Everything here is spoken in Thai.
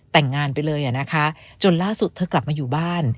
แต่งงานไปเลยอ่ะนะคะจนล่าสุดเธอกลับมาอยู่บ้าน